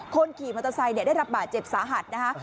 คนขี่มอเตอร์ไซค์ได้รับบาดเจ็บสาหัสนะคะ